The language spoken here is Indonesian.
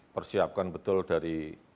persiapkan betul dari